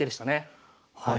はい。